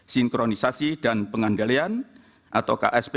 sinkronisasi dan pengandalian atau ksp